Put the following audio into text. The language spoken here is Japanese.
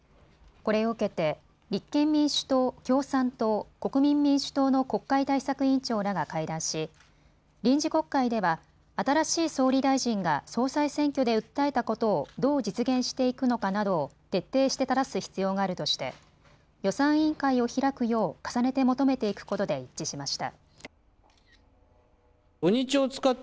これを受けて立憲民主党、共産党、国民民主党の国会対策委員長らが会談し臨時国会では新しい総理大臣が総裁選挙で訴えたことをどう実現していくのかなどを徹底してただす必要があるとして予算委員会を開くよう重ねて求めていくことで一致しました。